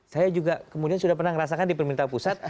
saya juga kemudian sudah pernah merasakan di pemerintah pusat